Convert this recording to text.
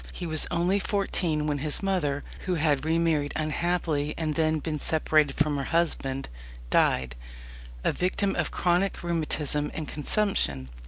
He was only fourteen when his mother (who had re married unhappily and then been separated from her husband) died, a victim of chronic rheumatism and consumption.